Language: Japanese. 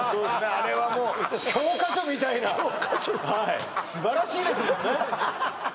あれはもう教科書はい素晴らしいですもんね